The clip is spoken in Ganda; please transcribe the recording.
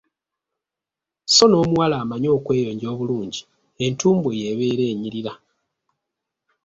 Sso n’omuwala amanyi okweyonja obulungi, entumbwe ye ebeera enyirira.